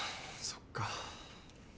そっか。